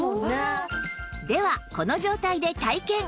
ではこの状態で体験！